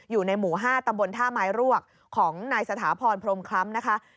อยู่ในหมู่๕ตำบลท่าไม้รวกของนายสถาพรพรมคล้ำนะคะ